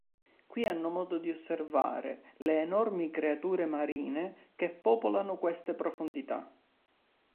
Qui hanno modo di osservare le enormi creature marine che popolano queste profondità.